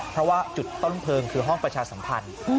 เพราะว่าจุดต้นเพลิงคือห้องประชาสัมพันธ์